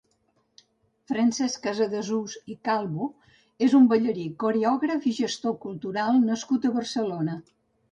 Francesc Casadesús i Calvo és un ballarí, coreògraf i gestor cultural nascut a Barcelona.